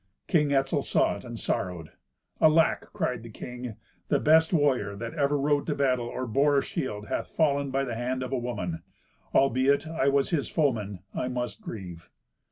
King Etzel saw it, and sorrowed. "Alack!" cried the king, "The best warrior that ever rode to battle, or bore a shield, hath fallen by the hand of a woman! Albeit I was his foeman, I must grieve."